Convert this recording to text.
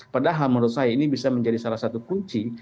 padahal menurut saya ini bisa menjadi salah satu kunci